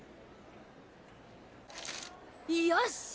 よし！